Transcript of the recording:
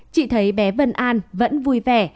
chị thấy bé vân an vẫn vui vẻ